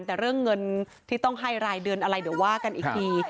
แต่เรื่องเงินที่ต้องให้รายเดือนอะไรเดี๋ยวว่ากันอีกที